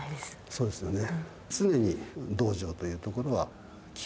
そうですよね。